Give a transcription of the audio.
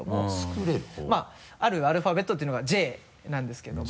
まぁあるアルファベットていうのが「Ｊ」なんですけども。